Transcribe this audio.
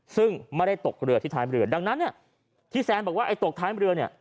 ซึ่งไม่ได้ตกเรือที่ท้ายเรือดังนั้นเนี่ยที่แซนบอกว่าไอ้ตกท้ายเรือเนี่ย